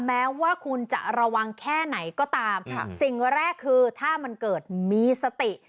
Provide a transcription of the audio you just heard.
แม้ว่าคุณจะระวังแค่ไหนก็ตามค่ะสิ่งแรกคือถ้ามันเกิดมีสติ